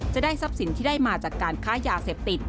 จะได้ทรัพย์สินที่ได้มาจากการค้ายาเสพติด